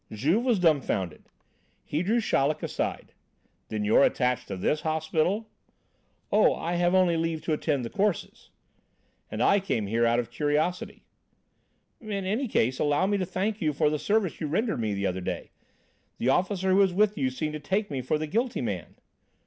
Juve was dumbfounded. He drew Chaleck aside. "Then you're attached to this hospital?" "Oh, I have only leave to attend the courses." "And I came here out of curiosity." "In any case, allow me to thank you for the service you rendered me the other day. The officer who was with you seemed to take me for the guilty man."